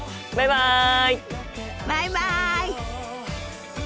バイバイ！